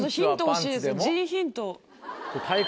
陣ヒント。